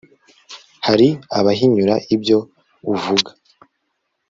hari abahinyura ibyo uvuga